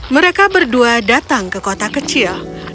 mereka berdua datang ke kota kecil